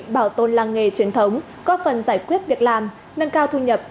bảo tồn làng nghề truyền thống góp phần giải quyết việc làm nâng cao thu nhập